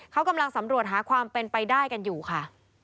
เขากำลังสำรวจหาความเป็นไปได้กันอยู่ค่ะ